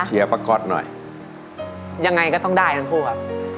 เชียวป้าก๊อตหน่อยยังไงก็ต้องได้ทั้งคู่อ่ะ